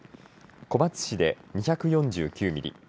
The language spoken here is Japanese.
小松市で２４９ミリ